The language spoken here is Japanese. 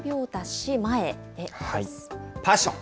パッション！